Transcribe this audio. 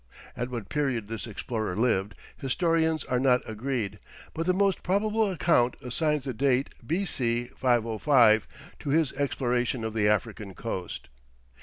At what period this explorer lived, historians are not agreed, but the most probable account assigns the date B.C. 505 to his exploration of the African coast.